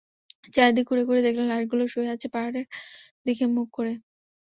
চারদিক ঘুরে ঘুরে দেখলেন, লাশগুলো শুয়ে আছে পাহাড়ের দিকে মুখ করে।